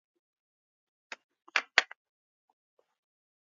He died soon after the inquiry.